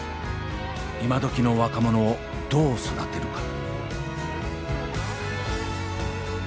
今どきの若者をどう育てるか。